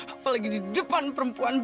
apalagi di depan perempuan